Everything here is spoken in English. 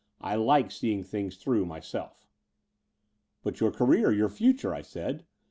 I like seeing things through my self." But your career, your future?" I said.